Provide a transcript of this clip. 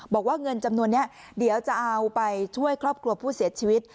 บอกว่าเงินจำนวนนี้เดี๋ยวจะเอาไปช่วยครอบครัวผู้เสียชีวิต